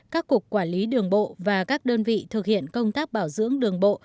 các cục quản lý đường bộ và các đơn vị thực hiện công tác bảo dưỡng đường bộ